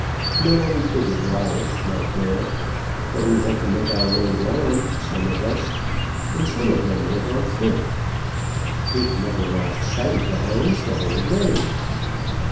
"No, we couldn't ride; not there. But we had to make our way round, some of us, and some of them went on foot. Dick never lost sight of the hounds the whole day."